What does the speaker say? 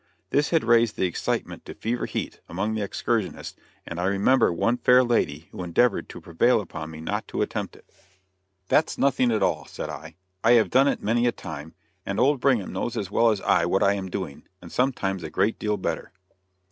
This had raised the excitement to fever heat among the excursionists, and I remember one fair lady who endeavored to prevail upon me not to attempt it. "That's nothing at all," said I; "I have done it many a time, and old Brigham knows as well as I what I am doing, and sometimes a great deal better."